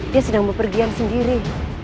dia sedang berpergian sendiri